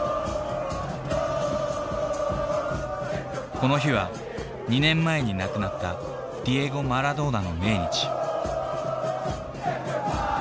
この日は２年前に亡くなったディエゴ・マラドーナの命日。